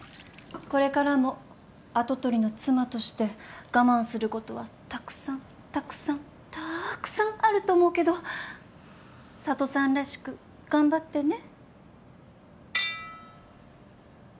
これからも跡取りの妻として我慢することはたくさんたくさんたーくさんあると思うけど佐都さんらしく頑張ってね。